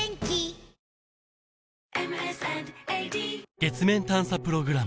月面探査プログラム